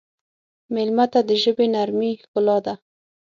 مېلمه ته د ژبې نرمي ښکلا ده.